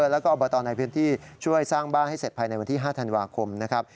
แล้วก็อบตในพื้นที่ช่วยสร้างบ้านให้เสร็จภายในวันที่๕ธันวาคมนะครับ